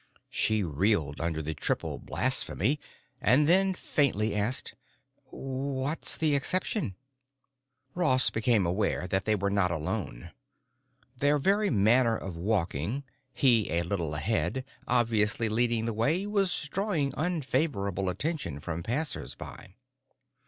She reeled under the triple blasphemy and then faintly asked: "What's the exception?" Ross became aware that they were not alone. Their very manner of walking, he a little ahead, obviously leading the way, was drawing unfavorable attention from passers by.